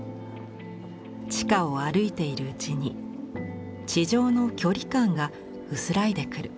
地下を歩いているうちに地上の距離感が薄らいでくる。